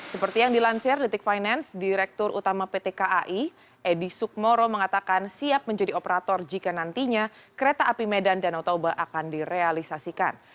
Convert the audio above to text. seperti yang dilansir detik finance direktur utama pt kai edi sukmoro mengatakan siap menjadi operator jika nantinya kereta api medan danau toba akan direalisasikan